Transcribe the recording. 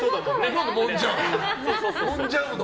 何でもんじゃうの？